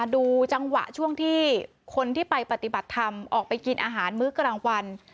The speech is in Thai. ดูจังหวะช่วงที่คนที่ไปปฏิบัติธรรมออกไปกินอาหารมื้อกลางวัน